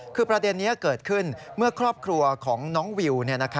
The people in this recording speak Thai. คือประเด็นนี้เกิดขึ้นเมื่อครอบครัวของน้องวิว